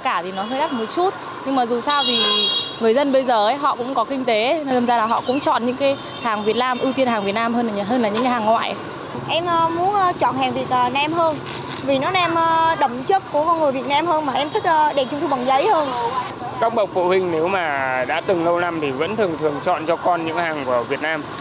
các bậc phụ huynh nếu mà đã từng lâu năm thì vẫn thường thường chọn cho con những hàng của việt nam